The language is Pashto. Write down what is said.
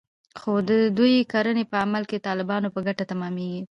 خو د دوی کړنې په عمل کې د طالبانو په ګټه تمامېږي